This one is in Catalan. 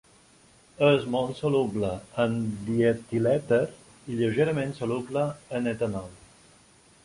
És molt soluble en dietilèter i lleugerament soluble en etanol.